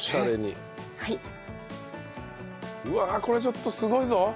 これちょっとすごいぞ。